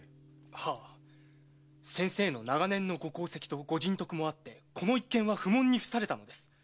はあ先生の長年のご功績とご人徳もあってこの一件は不問に付されたのです。